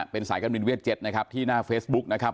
เป็นสายการบินเวท๗นะครับที่หน้าเฟซบุ๊กนะครับ